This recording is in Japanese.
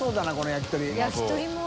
焼き鳥も。